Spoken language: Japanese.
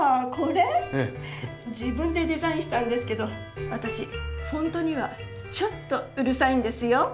自分でデザインしたんですけど私フォントにはちょっとうるさいんですよ。